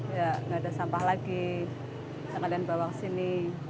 ya nggak ada sampah lagi sekalian bawa ke sini